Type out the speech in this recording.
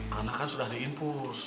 karena kan sudah diinpus